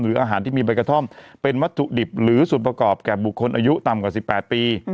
อาหารที่มีใบกระท่อมเป็นวัตถุดิบหรือส่วนประกอบแก่บุคคลอายุต่ำกว่า๑๘ปี